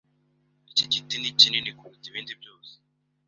Iki giti ni kinini kuruta ibindi byose. (marloncori)